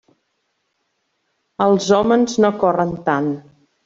Els hòmens no corren tant.